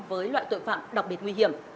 với loại tội phạm đặc biệt nguy hiểm